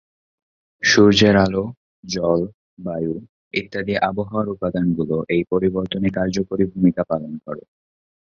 সূর্যের আলো, জল, বায়ু ইত্যাদি আবহাওয়ার উপাদানগুলো এই পরিবর্তনে কার্যকরী ভুমিকা পালন করে।